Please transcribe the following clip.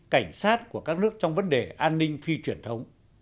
cảnh sát của các nước trong vấn đề an ninh phi truyền thống